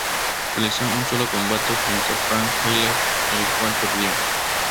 Realizó un solo combate frente a Frank Haller, el cual perdió.